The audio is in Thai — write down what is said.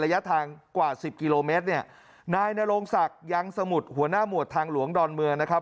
ระยะทางกว่าสิบกิโลเมตรเนี่ยนายนโรงศักดิ์ยังสมุทรหัวหน้าหมวดทางหลวงดอนเมืองนะครับ